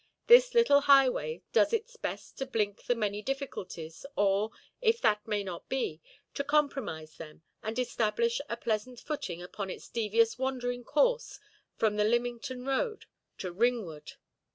This little highway does its best to blink the many difficulties, or, if that may not be, to compromise them, and establish a pleasant footing upon its devious wandering course from the Lymington road to Ringwood.